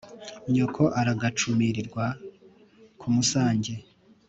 \ nyoko ) aragacu mirirwa ku musange :